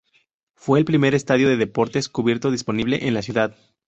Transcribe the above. Fue el primer estadio de deportes cubierto disponible en la ciudad.